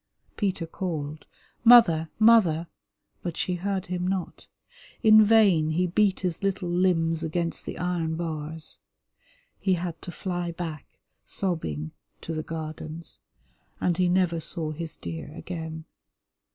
Peter called, "Mother! mother!" but she heard him not; in vain he beat his little limbs against the iron bars. He had to fly back, sobbing, to the Gardens, and he never saw his dear again.